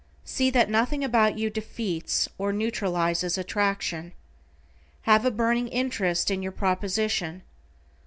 See that nothing about you defeats, or neutralizes attraction. Have a burning interest in your proposition.